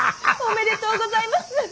おめでとうございます！